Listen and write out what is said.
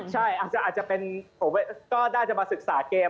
ใช่อาจจะเป็นผมก็น่าจะมาศึกษาเกม